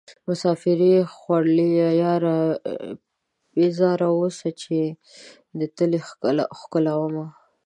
مسافرۍ خوړليه ياره پيزار اوباسه چې دې تلې ښکلومه